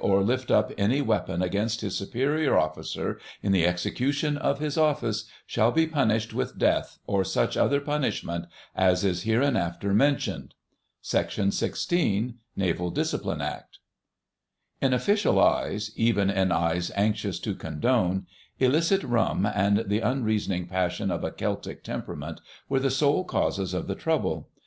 or lift up any weapon against his superior officer in the execution of his office, shall be punished with Death or such other punishment as is hereinafter mentioned."—Sec. 16, Naval Discipline Act. In Official eyes—even in eyes anxious to condone—illicit rum and the unreasoning passion of a Celtic temperament were the sole causes of the trouble.